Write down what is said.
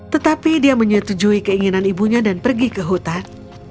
tetapi dia menyetujui keinginan ibunya dan pergi ke hutan